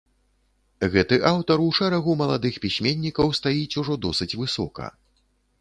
Гэты аўтар у шэрагу маладых пісьменнікаў стаіць ужо досыць высока.